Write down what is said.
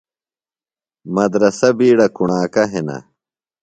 مدرسہ بِیڈہ کُݨاکہ ہِنہ۔